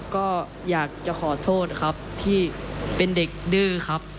ก็อยากจะขอโทษครับที่เป็นเด็กดื้อครับ